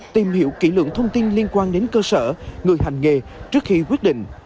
tìm hiểu kỹ lượng thông tin liên quan đến cơ sở người hành nghề trước khi quyết định